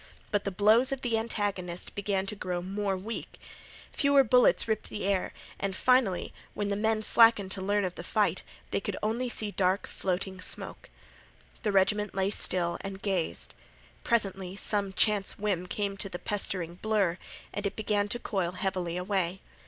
But the blows of the antagonist began to grow more weak. Fewer bullets ripped the air, and finally, when the men slackened to learn of the fight, they could see only dark, floating smoke. The regiment lay still and gazed. Presently some chance whim came to the pestering blur, and it began to coil heavily away.